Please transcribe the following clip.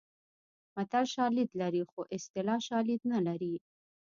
متل شالید لري خو اصطلاح شالید نه لري